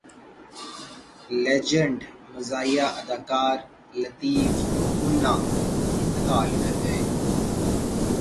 legend مزاحیہ اداکار لطیف منا انتقال کر گئے